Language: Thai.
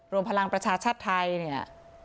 รวมพลังประชาชาติไทยเนี่ย